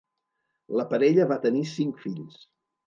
La parella va tenir cinc fills.